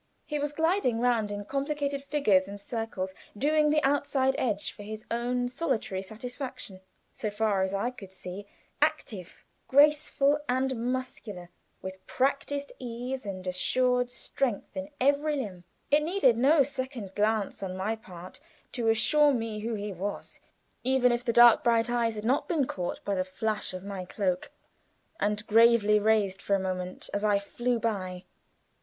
He was gliding round in complicated figures and circles, doing the outside edge for his own solitary gratification, so far as I could see; active, graceful, and muscular, with practiced ease and assured strength in every limb. It needed no second glance on my part to assure me who he was even if the dark bright eyes had not been caught by the flash of my cloak, and gravely raised for a moment as I flew by.